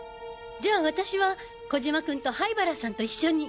じゃあ私は小嶋君と灰原さんと一緒に。